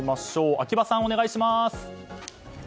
秋葉さん、お願いします！